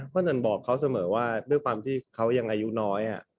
นั่นบอกเขาเสมอว่าด้วยความที่เขายังอายุน้อย